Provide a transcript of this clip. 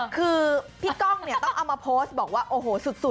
คือพี่ก้องเนี่ยต้องเอามาโพสต์บอกว่าโอ้โหสุด